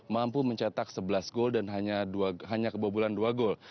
mampu mencetak sebelas gol dan hanya kebobolan dua gol